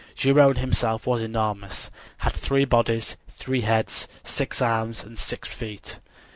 Geryone himself was enormous, had three bodies, three heads, six arms and six feet.